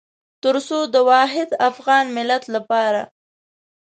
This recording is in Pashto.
تر څو د واحد افغان ملت لپاره.